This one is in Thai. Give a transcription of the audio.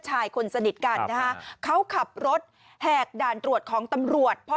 ชายคนสนิทกันนะฮะเขาขับรถแหกด่านตรวจของตำรวจเพราะ